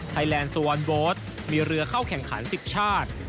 ปี๒๕๕๘ไทยสวรรค์โบสต์มีเรือเข้าแข่งขัน๑๐ชาติ